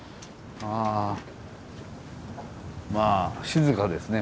まあ静かですね。